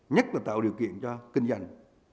nhất là tạo điều kiện cho kinh doanh